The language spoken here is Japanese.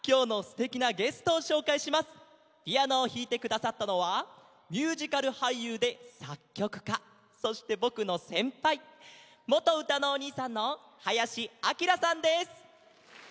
ピアノをひいてくださったのはミュージカルはいゆうでさっきょくかそしてぼくのせんぱいもとうたのおにいさんの林アキラさんです！